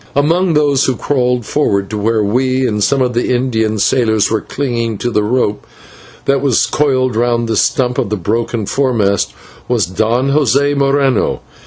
Among those who crawled forward to where we and some of the Indian sailors were clinging to the rope that was coiled round the stump of the broken foremast, was Don José Moreno.